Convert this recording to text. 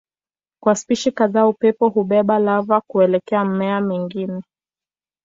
Kwa spishi kadhaa upepo hubeba lava kuelekea mmea mwingine.